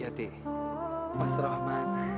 ya t mas rahman